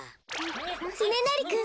つねなりくん